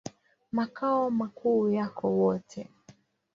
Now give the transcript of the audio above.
Makao makuu yako Wote.